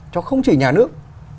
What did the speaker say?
với các tổ chức